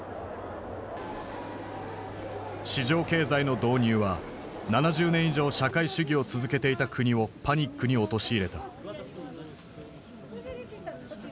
市場経済の導入は７０年以上社会主義を続けていた国をパニックに陥れた。